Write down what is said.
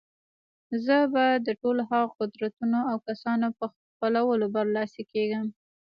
زه به د ټولو هغو قدرتونو او کسانو په خپلولو برلاسي کېږم.